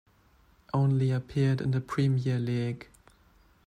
Only appeared in the Premier League.